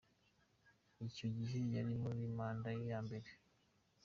Icyo gihe yari muri manda ye ya mbere.